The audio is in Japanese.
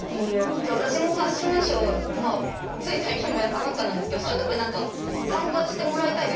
じゃあ私もファッションショーつい最近もやったばっかなんですけどそういうとこに何か参加してもらいたいですよねもっと。